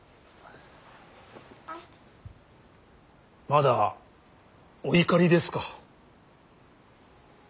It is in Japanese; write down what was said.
まだお怒りですか。